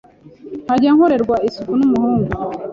nkajya nkorerwa isuku n'umuhungu,